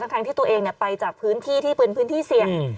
ทั้งที่ตัวเองไปจากพื้นที่ที่เป็นพื้นที่เสี่ยง